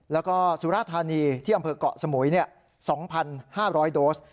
แล้วก็สุราธานีที่อำเภอกเกาะสมุย๒๕๐๐โดส